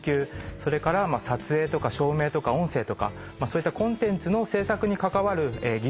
それから撮影とか照明とか音声とかそういったコンテンツの制作に関わる技術